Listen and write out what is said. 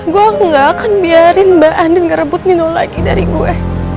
gue gak akan biarin mbak andri ngerebut nino lagi dari gue